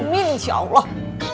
amin insya allah